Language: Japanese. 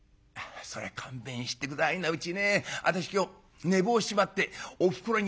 「そりゃ勘弁して下はいなうちね私今日寝坊しちまっておふくろにダン！